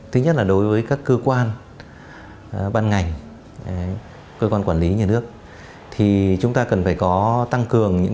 thứ nhất là đối với các cơ quan ban ngành cơ quan quản lý nhà nước